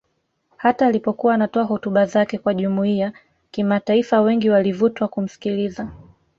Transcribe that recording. Hata alipokuwa anatoa hotuba zake kwa Jumuiya Kimataifa wengi walivutwa kumsikiliza